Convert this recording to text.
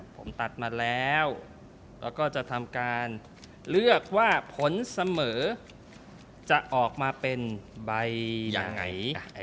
ผมตัดมาแล้วแล้วก็จะทำการเลือกว่าผลเสมอจะออกมาเป็นใบไหน